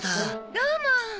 どうも。